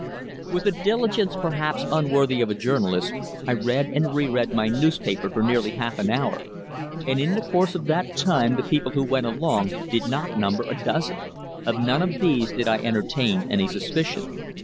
With a diligence perhaps unworthy of a journalist I read and re read my newspaper for nearly half an hour, and in the course of that time the people who went along did not number a dozen. Of none of these did I entertain any suspicion.